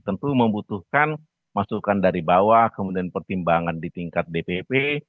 tentu membutuhkan masukan dari bawah kemudian pertimbangan di tingkat dpp